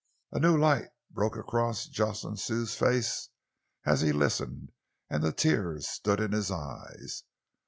A new light broke across Jocelyn Thew's face as he listened, and the tears stood in his eyes.